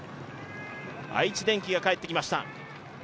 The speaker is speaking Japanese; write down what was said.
愛知電機が帰ってきました。